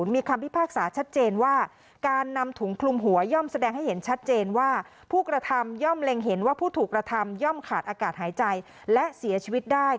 มีคำพิพากษาชัดเจนว่าการนำถุงคลุมหัวย่อมแสดงให้เห็นชัดเจนว่าผู้กระทำย่อมเล็งเห็นว่าผู้ถูกกระทำย่อมขาดอากาศหายใจและเสียชีวิตได้